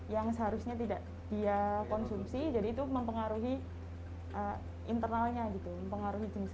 yang seharusnya tidak dia konsumsi jadi itu mempengaruhi internalnya gitu mempengaruhi jenis